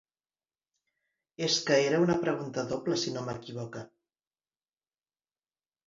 És que era una pregunta doble, si no m’equivoque.